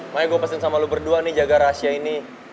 makanya gue pesen sama lo berdua nih jaga rahasia ini